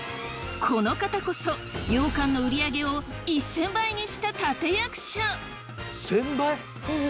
この方こそ羊かんの売り上げを１，０００倍にした立て役者。